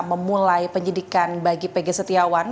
memulai penyidikan bagi pg setiawan